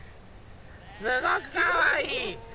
すごくかわいい。